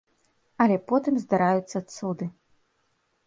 Але потым здараюцца цуды.